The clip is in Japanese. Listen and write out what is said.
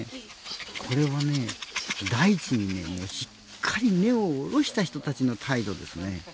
これはね、大地にしっかり根を下ろした人たちの態度ですね。